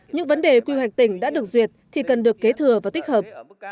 những vấn đề quy hoạch tỉnh đã được duyệt thì cần được kế thừa và tích hợp